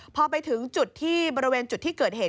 พอไปถึงบริเวณจุดที่เกิดเหตุ